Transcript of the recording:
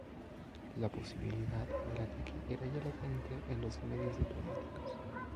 La posibilidad del ataque era ya latente en los medios diplomáticos.